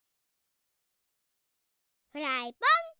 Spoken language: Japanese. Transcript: フライパン。